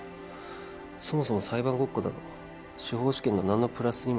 そもそも裁判ごっこなど司法試験には何のプラスにもならない。